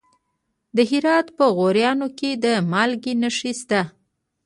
د هرات په غوریان کې د مالګې نښې شته.